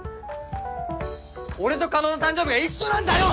俺と叶の誕生日が一緒なんだよ！